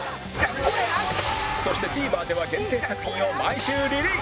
そして ＴＶｅｒ では限定作品を毎週リリース